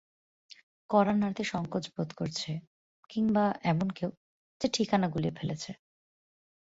কড়া নাড়তে সঙ্কোচ বোধ করছে, কিংবা এমন কেউ, যে ঠিকানা গুলিয়ে ফেলেছে।